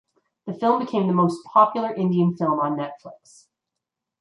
The film became the most popular Indian film on Netflix.